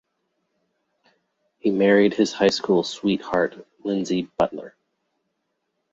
He married his high school sweetheart Lindsey Butler.